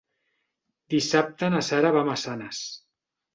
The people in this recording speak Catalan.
Dissabte na Sara va a Massanes.